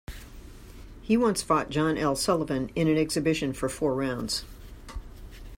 He once fought John L. Sullivan in an exhibition for four rounds.